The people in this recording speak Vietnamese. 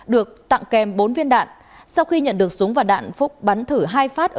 được tặng kèm bốn viên đạn sau khi nhận được súng và đạn phúc bắn thử hai phát